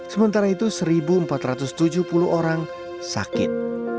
sementara itu satu empat ratus tujuh puluh orang sakit